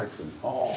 ・ああ。